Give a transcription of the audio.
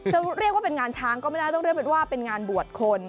จะเรียกว่าเป็นงานช้างก็ไม่ได้ต้องเรียกเป็นว่าเป็นงานบวชคน